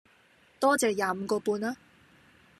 多謝廿五個半吖